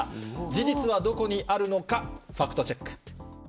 事実はどこにあるのか、ファクトチェック。